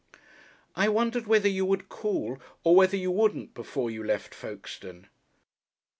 "I wondered whether you would call or whether you wouldn't before you left Folkestone."